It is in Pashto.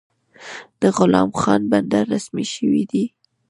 د غلام خان بندر رسمي شوی دی؟